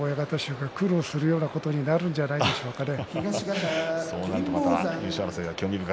また場所の後半に審判部の親方衆が苦労するようなことになるんじゃないでしょうかね。